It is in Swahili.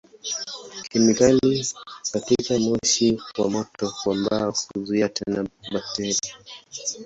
Kemikali katika moshi wa moto wa mbao huzuia tena bakteria.